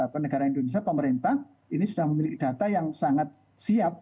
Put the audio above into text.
penegara indonesia pemerintah ini sudah memiliki data yang sangat siap